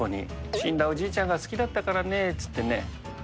死んだおじいちゃんが好きだったからねーっていってね。